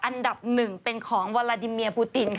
อันดับหนึ่งเป็นของวาลาดิเมียปูตินค่ะ